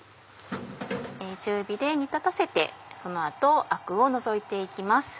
中火で煮立たせてその後アクを除いて行きます。